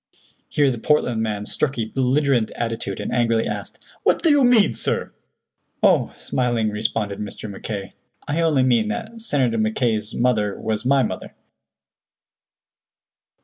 Here the Portland man struck a belligerent attitude, and angrily asked: "What do you mean, sir?" "Oh," smilingly responded Mr. Mackay, "I only mean that Senator Mackay's mother was my mother."